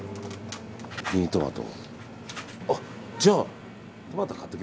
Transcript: ミニトマト。